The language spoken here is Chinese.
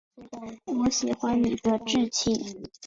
我喜欢你的志气